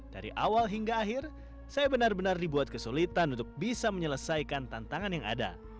dari awal hingga akhir saya benar benar dibuat kesulitan untuk bisa menyelesaikan tantangan yang ada